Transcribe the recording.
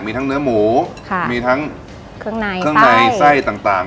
มีทั้งเนื้อหมูมีทั้งเครื่องในไส้ต่าง